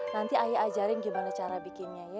nanti ayah ajarin gimana cara bikinnya ya